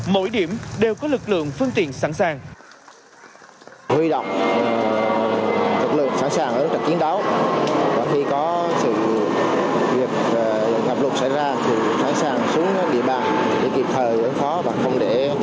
mỗi điểm đều có lực lượng phương tiện sẵn sàng